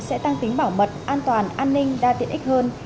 sẽ tăng tính bảo mật an toàn an ninh đa tiện ích hơn